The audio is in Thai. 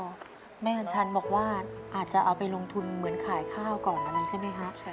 แม่อาจารย์ฉันบอกว่าอาจจะเอาไปลงทุนเหมือนขายข้าวก่อนนั้นใช่ไหมครับ